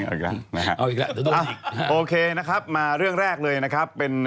เอาอีกแล้วนะฮะเอาอีกแล้วโอเคนะครับมาเรื่องแรกเลยนะครับเป็น